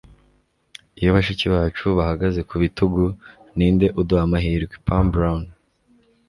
iyo bashiki bacu bahagaze ku bitugu, ninde uduha amahirwe? - pam brown